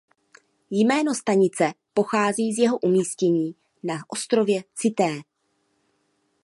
Jméno stanice pochází z jeho umístění na ostrově Cité.